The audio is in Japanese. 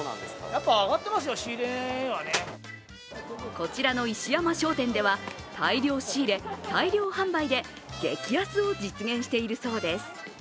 こちらの石山商店では大量仕入れ・大量販売で激安を実現しているそうです。